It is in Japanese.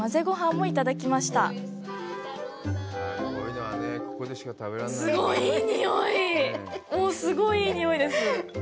もうすごいいい匂いです。